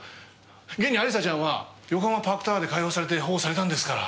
現に亜里沙ちゃんは横浜パークタワーで解放されて保護されたんですから。